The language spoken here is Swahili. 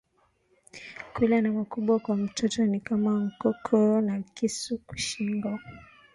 Kula na mukubwa kwa mtoto ni kama nkuku na kisu ku shingo